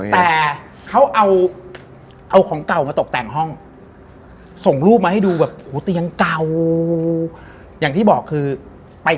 แบบใครไม่ขย่าวอะไร